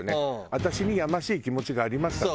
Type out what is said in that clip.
「私にやましい気持ちがありました」と。